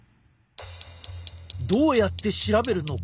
どうやって調べるのか？